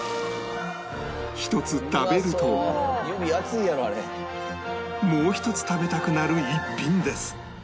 一つ食べるともう一つ食べたくなる逸品です